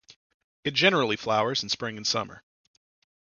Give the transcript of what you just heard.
It generally flowers in spring and summer.